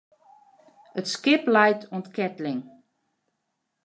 It skip leit oan 't keatling.